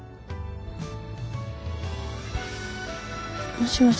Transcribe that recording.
もしもし？